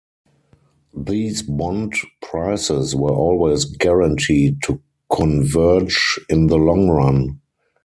These bond prices were always guaranteed to converge in the long run.